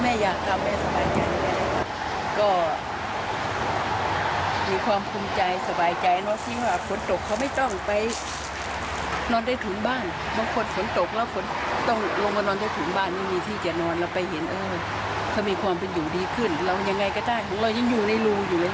เอาอย่างไรก็ได้บุญเรายังอยู่ในรูอยู่นะครับ